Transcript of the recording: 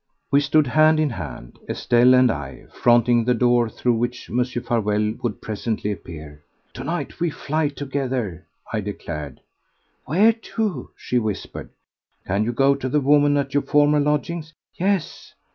4. We stood hand in hand—Estelle and I—fronting the door through which Mr. Farewell would presently appear. "To night we fly together," I declared. "Where to?" she whispered. "Can you go to the woman at your former lodgings?" "Yes!"